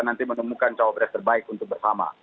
nanti menemukan cawapres terbaik untuk bersama